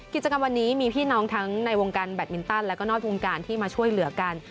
กิจกรรมวันนี้มีพี่น้องทั้งในวงการแบตมินตันแล้วก็นอกวงการที่มาช่วยเหลือกัน